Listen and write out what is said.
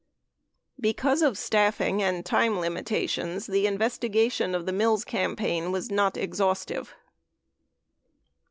Because of staffing and time limitations, the investigation of the Mills campaign was not exhaustive.